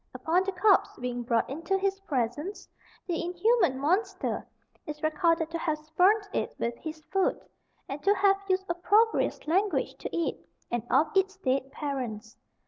Upon the corpse being brought into his presence, the inhuman monster is recorded to have spurned it with his foot, and to have used opprobrious language to it, and of its dead parents.